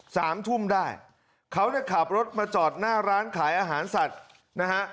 สามทุ่มได้เขาเนี่ยขับรถมาจอดหน้าร้านขายอาหารสัตว์นะฮะ